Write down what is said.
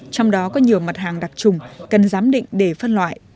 trong đó có nhiều mặt hàng đặc trùng cần giám định để phân loại